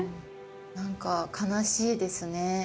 何か悲しいですね。